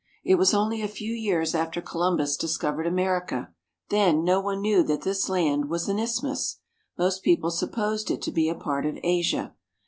It was only a few years after Columbus discovered America. Then no one knew that this land was an isth mus. Most people supposed it to be a part of Asia.